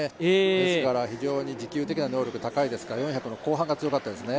ですから非常に持久的な能力強いですから４００の後半が強かったですね。